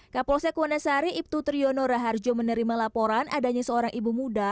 kapolsek wanasari ibtu triyono raharjo menerima laporan adanya seorang ibu muda